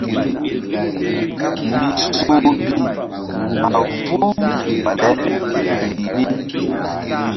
Misoh mbih a vohu bale tel rih mi.